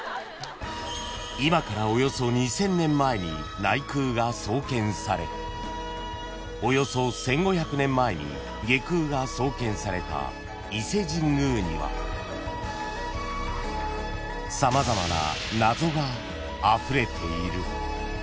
［今からおよそ２，０００年前に内宮が創建されおよそ１，５００年前に外宮が創建された伊勢神宮には様々な謎があふれている］